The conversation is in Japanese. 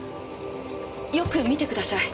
よく見てください。